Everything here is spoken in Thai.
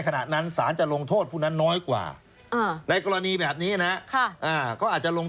ก็อาจจะลงโทษน้อยกว่านะฮะ